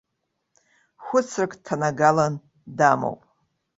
Хәыцрак дҭанагалан дамоуп.